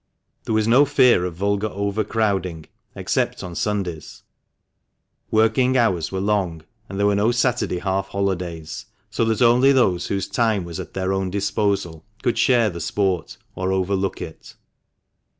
There was no fear of vulgar overcrowding (except on Sundays) ; working hours were long, and there were no Saturday half holidays, so that only those whose time was at their own disposal could share the sport or overlook it.